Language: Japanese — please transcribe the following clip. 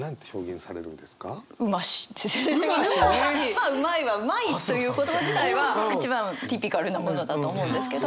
まあ「うまい」は「うまい」という言葉自体は一番ティピカルなものだと思うんですけど。